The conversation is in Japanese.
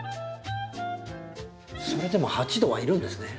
それでも８℃はいるんですね。